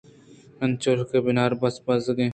انچوش کہ بناربس بزگ